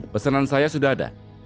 pesanan saya sudah ada